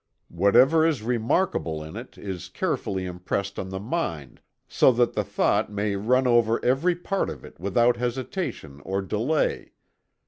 Whatever is remarkable in it is carefully impressed on the mind, so that the thought may run over every part of it without hesitation or delay....